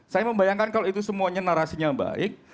saya membayangkan kalau itu semuanya narasinya baik